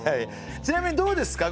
ちなみにどうですか？